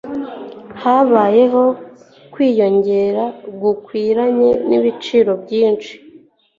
Habayeho kwiyongera gukwiranye nibiciro byinshi.